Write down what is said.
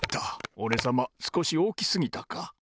おれさますこしおおきすぎたか。